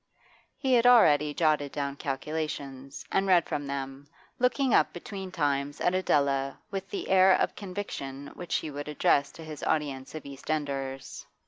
He had already jotted down calculations, and read from them, looking up between times at Adela with the air of conviction which he would address to his audience of East Enders.